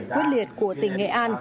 quyết liệt của tỉnh nghệ an